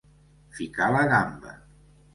Ficar la gamba.